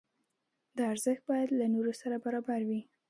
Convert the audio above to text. دا ارزښت باید له نورو سره برابر وي.